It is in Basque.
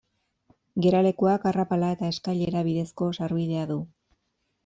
Geralekuak arrapala eta eskailera bidezko sarbidea du.